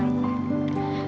terima kasih ya allah